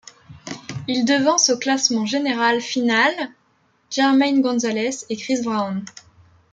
Il devance au classement général final Jermaine Gonzales et Chris Brown.